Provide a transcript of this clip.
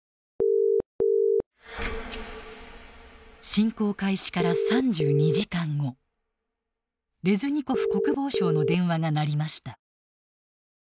☎侵攻開始から３２時間後レズニコフ国防相の電話が鳴りました。